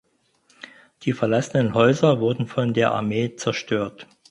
Die verlassenen Häuser wurden von der Armee zerstört.